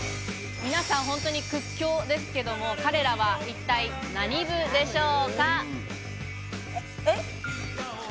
皆さん本当に屈強ですけれど、彼らは一体何部でしょうか？